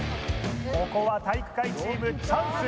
ここは体育会チームチャンス